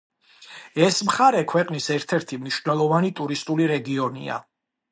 ეს მხარე ქვეყნის ერთ-ერთი მნიშვნელოვანი ტურისტული რეგიონია.